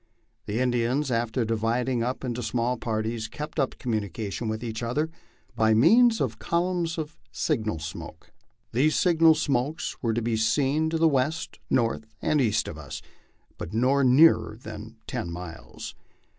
The Indians, after dividing up into small parties, kept tip communication with each other by means of columns of signal smoke. These signal smokes were to be seen to the west, north, and east of us, but none nearer than ten miles.